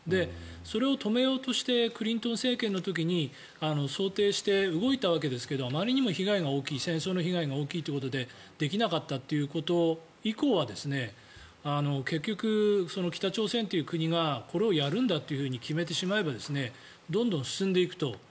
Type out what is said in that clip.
それを止めようとしてクリントン政権の時に想定して動いたわけですがあまりにも戦争の被害が大きいということでできなかったということ以降は結局、北朝鮮という国がこれをやるんだと決めてしまえばどんどん進んでいくと。